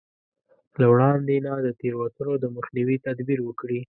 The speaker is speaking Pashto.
له وړاندې نه د تېروتنو د مخنيوي تدبير وکړي.